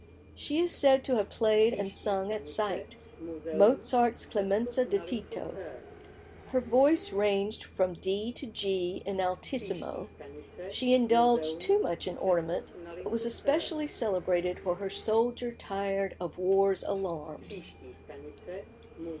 She is said to have played and sung at sight Mozart's "Clemenza di Tito;" her voice ranged from D to G in altissimo. She indulged too much in ornament, but was especially celebrated for her "Soldier tired of War's Alarms."